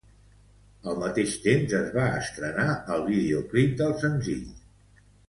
Al mateix temps, es va estrenar el videoclip del senzill.